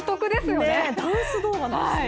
ダンス動画なんですね